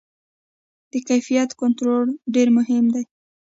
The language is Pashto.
د کیفیت کنټرول ډېر مهم دی.